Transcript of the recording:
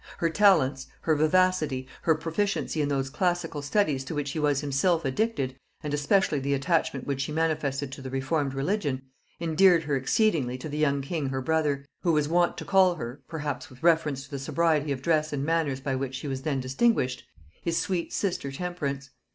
Her talents, her vivacity, her proficiency in those classical studies to which he was himself addicted, and especially the attachment which she manifested to the reformed religion, endeared her exceedingly to the young king her brother, who was wont to call her, perhaps with reference to the sobriety of dress and manners by which she was then distinguished, his sweet sister Temperance.